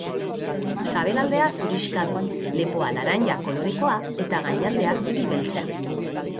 Sabelaldea zurixka du, lepoa laranja kolorekoa eta gainaldea zuri-beltza.